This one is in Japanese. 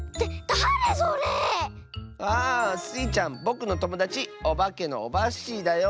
だれそれ⁉ああスイちゃんぼくのともだちおばけのオバッシーだよ。